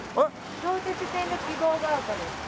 相鉄線の希望ケ丘です。